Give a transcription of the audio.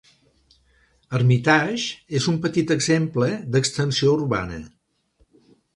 Hermitage és un petit exemple d'extensió urbana.